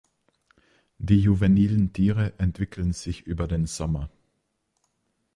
Die juvenilen Tiere entwickeln sich über den Sommer.